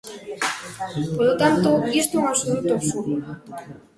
Polo tanto, isto é un absoluto absurdo.